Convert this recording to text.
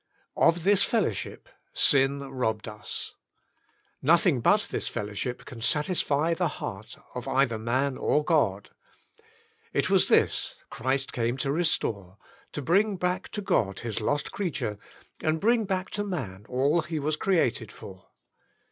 Ofjhis fellowship sin robbed us. Nothing but this fellowship can satisfy the heart of either man or God. It was this Christ came to restore; to bring back to God His lost creature, and bring back man to all he was created for.